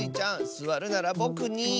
すわるならぼくに。